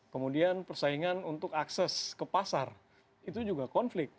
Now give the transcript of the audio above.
kemudian persaingan untuk akses ke pasar itu juga konflik